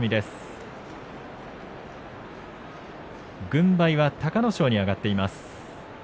軍配は隆の勝に上がっています。